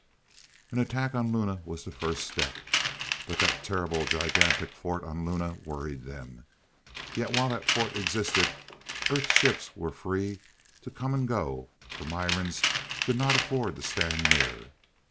An attack on Luna was the first step. But that terrible, gigantic fort on Luna worried them. Yet while that fort existed, Earth ships were free to come and go, for Mirans could not afford to stand near.